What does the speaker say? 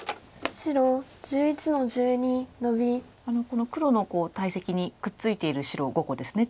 この黒の大石にくっついてる白５個ですね